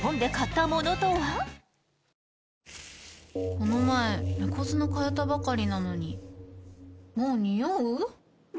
この前猫砂替えたばかりなのにもうニオう？